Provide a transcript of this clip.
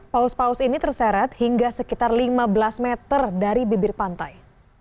paus paus ini terseret hingga sekitar lima belas meter dari bibir pantai